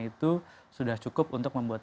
itu sudah cukup untuk membuat